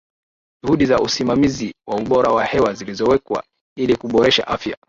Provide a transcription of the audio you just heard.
juhudi za usimamizi wa ubora wa hewa zilizowekwa ili kuboresha afya